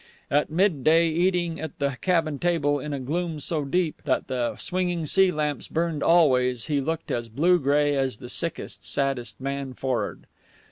At midday, eating at the cabin table in a gloom so deep that the swinging sea lamps burned always, he looked as blue gray as the sickest, saddest man for'ard.